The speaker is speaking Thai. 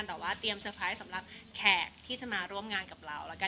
แต่ว่าเตรียมเตอร์ไพรส์สำหรับแขกที่จะมาร่วมงานกับเราแล้วกัน